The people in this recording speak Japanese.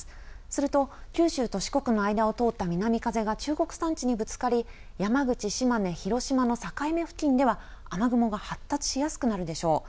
すると九州と四国の間を通った南風が中国山地にぶつかり山口、島根、広島の境目付近では雨雲が発達しやすくなるでしょう。